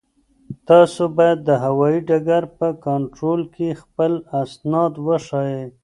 تاسو باید د هوایي ډګر په کنټرول کې خپل اسناد وښایئ.